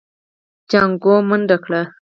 جانکو منډه کړه.